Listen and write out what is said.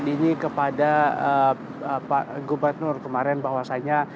dan ini kepada gubernur kemarin bahwasannya